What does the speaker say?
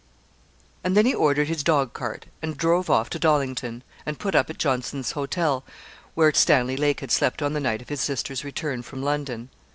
And then he ordered his dog cart, and drove off to Dollington, and put up at Johnson's Hotel, where Stanley Lake had slept on the night of his sister's return from London.